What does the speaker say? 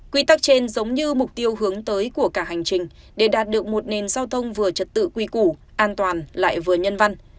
quy tắc trên giống như mục tiêu hướng tới của cả hành trình để đạt được một nền giao thông vừa trật tự quy củ an toàn lại vừa nhân văn